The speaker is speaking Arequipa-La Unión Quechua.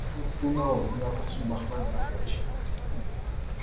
Hukkunawan imapas sumaqmanta quchikuy.